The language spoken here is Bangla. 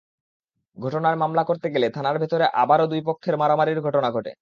ঘটনায় মামলা করতে গেলে থানার ভেতরে আবারও দুই পক্ষের মারামারির ঘটনা ঘটে।